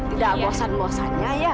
tidak bosan bosannya ya